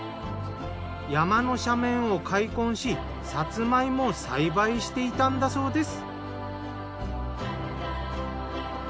山の斜面を開墾しさつま芋を栽培していたんだそうです。